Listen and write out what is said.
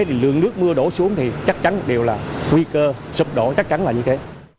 thì lượng nước mưa đổ xuống thì chắc chắn đều là nguy cơ sụp đổ chắc chắn là như thế